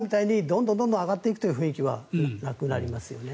今みたいにどんどん上がっていくという雰囲気はなくなりますよね。